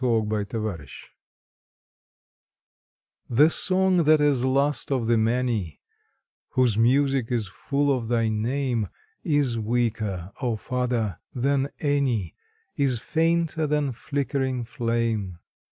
John Dunmore Lang The song that is last of the many Whose music is full of thy name, Is weaker, O father! than any, Is fainter than flickering flame.